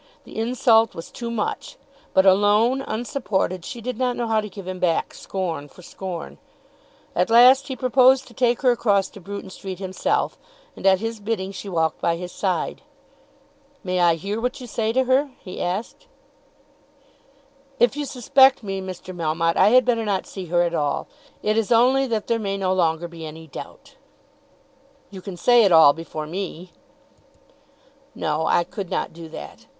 The insult was too much, but alone, unsupported, she did not know how to give him back scorn for scorn. At last he proposed to take her across to Bruton Street himself, and at his bidding she walked by his side. "May I hear what you say to her?" he asked. "If you suspect me, Mr. Melmotte, I had better not see her at all. It is only that there may no longer be any doubt." "You can say it all before me." "No; I could not do that.